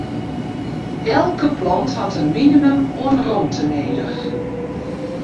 Elke plant hat in minimum oan romte nedich.